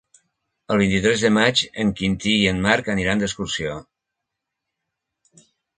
El vint-i-tres de maig en Quintí i en Marc aniran d'excursió.